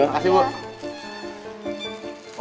terima kasih bu